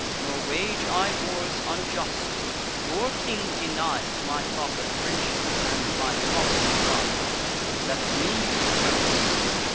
Nor wage I wars unjust: your king denied My proffer'd friendship, and my promis'd bride; Left me for Turnus.